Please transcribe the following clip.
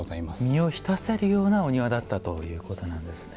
身を浸せるようなお庭だったということなんですね。